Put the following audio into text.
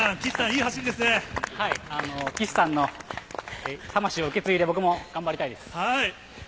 岸さんの魂を受け継いで、僕も頑張りたいです。